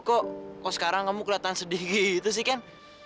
kok sekarang kamu kelihatan sedih gitu sih ken